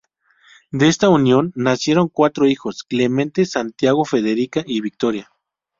De esta unión nacieron cuatro hijos: Clemente, Santiago, Federica y Victoria.